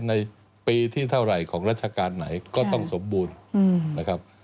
ในปีที่เท่าไหร่ของราชการไหนก็ต้องสมบูรณ์นะครับ